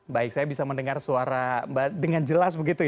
baik saya bisa mendengar suara mbak dengan jelas begitu ya